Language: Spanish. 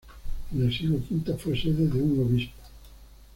En el siglo V fue sede de un obispo.